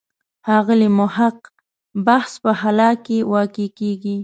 ښاغلي محق بحث په خلا کې واقع کېږي.